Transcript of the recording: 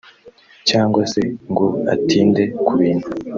cyangwa se ngo atinde ku bintu